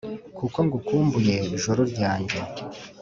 kuko ngukumbuye juru ryanjye.